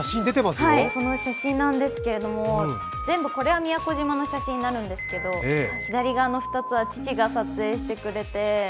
この写真なんですけど、全部これは宮古島の写真になるんですけど左側の１つは父が撮影してくれて。